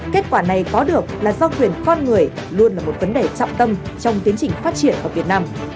kết quả này có được là do quyền con người luôn là một vấn đề trọng tâm trong tiến trình phát triển ở việt nam